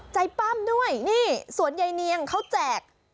ใจปั้มด้วยนี่สวนใหญ่เนี่ยเขาแจก